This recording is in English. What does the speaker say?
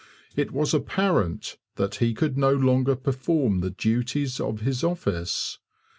It was apparent that he could no longer perform the duties of his office.